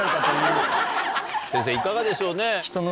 先生いかがでしょうね。